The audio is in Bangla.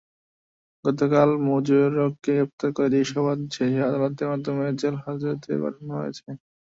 গতকাল মোজাক্কেরকে গ্রেপ্তার করে জিজ্ঞাসাবাদ শেষে আদালতের মাধ্যমে জেলহাজতে পাঠানো হয়েছে।